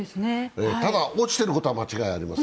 ただ落ちていることは間違いありません。